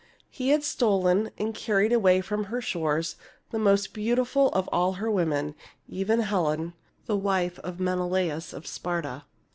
He had stolen and carried away from her shores the most beautiful of all her women, even Helen, the wife of Menelaus of Sparta.